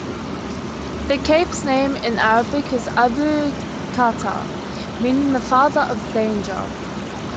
The Cape's name in Arabic is "Abu Khatar", meaning "the father of danger".